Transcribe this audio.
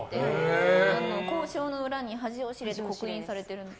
校章の裏に恥を知れって刻印されてるんです。